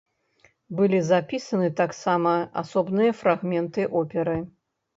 Былі запісаны таксама асобныя фрагменты оперы.